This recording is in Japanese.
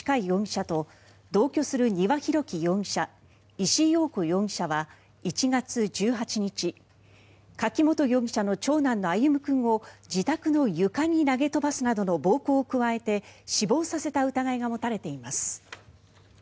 容疑者と同居する丹羽洋樹容疑者石井陽子容疑者は１月１８日柿本容疑者の長男の歩夢君を自宅の床に投げ飛ばすなどの暴行を加えて死亡させた疑いが持たれています。